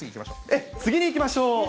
次行きましょう。